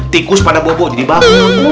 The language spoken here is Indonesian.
tikus pada bobo jadi bangun